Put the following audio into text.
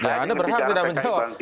anda berhak tidak menjawab